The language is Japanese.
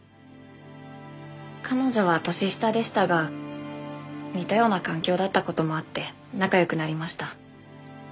彼女は年下でしたが似たような環境だった事もあって仲良くなりました。